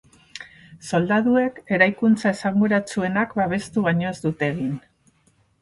Soldaduek eraikuntza esanguratsuenak babestu baino ez dute egin.